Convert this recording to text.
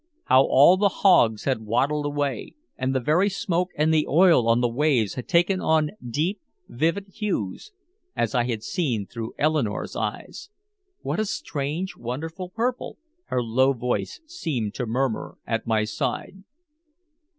How all the hogs had waddled away, and the very smoke and the oil on the waves had taken on deep, vivid hues as I had seen through Eleanore's eyes. "What a strange wonderful purple," her low voice seemed to murmur at my side.